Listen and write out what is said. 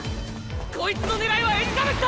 こいつの狙いはエリザベスだ！